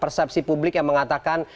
persepsi publik yang mengatakan